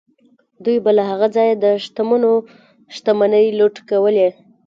دوی به له هغه ځایه د شتمنو شتمنۍ لوټ کولې.